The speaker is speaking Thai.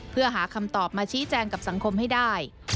เพื่อหาคำตอบมาชี้แจงกับสังคมให้ได้